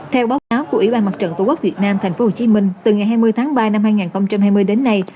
theo báo cáo của ủy ban mặt trận tổ quốc việt nam tp hcm từ ngày hai mươi tháng ba năm hai nghìn hai mươi đến nay